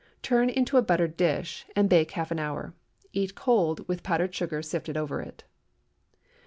Turn into a buttered dish, and bake half an hour. Eat cold, with powdered sugar sifted over it.